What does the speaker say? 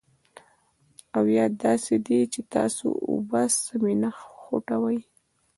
او یا داسې دي چې تاسې اوبه سمې نه خوټوئ.